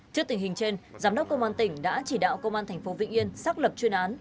trước tình hình trên giám đốc công an tỉnh đã chỉ đạo công an tp vĩnh yên xác lập chuyên án